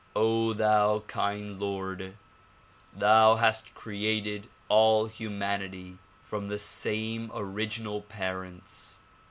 thou kind Lord! Thou hast created all humanity from the same original parents.